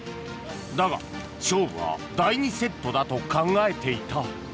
だが、勝負は第２セットだと考えていた。